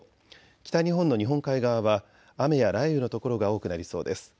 北日本の日本海側は雨や雷雨の所が多くなりそうです。